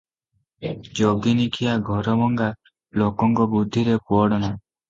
ଯୋଗିନୀଖିଆ ଘରଭଙ୍ଗା ଲୋକଙ୍କ ବୁଦ୍ଧିରେ ପଡ଼ ନା ।